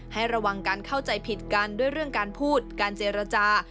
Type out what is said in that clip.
ให้ระวังการเข้าใจผิดกันด้วยเรื่องการพูดการเจรจา